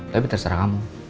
tapi terserah kamu